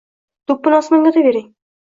do‘ppini osmonga otavering.